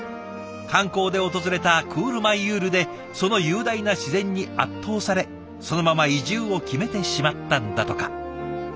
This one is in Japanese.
観光で訪れたクールマイユールでその雄大な自然に圧倒されそのまま移住を決めてしまったんだとか。